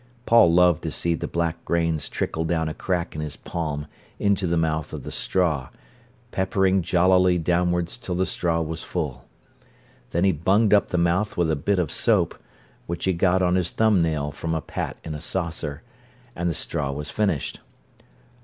Paul loved to see the black grains trickle down a crack in his palm into the mouth of the straw, peppering jollily downwards till the straw was full. Then he bunged up the mouth with a bit of soap—which he got on his thumb nail from a pat in a saucer—and the straw was finished.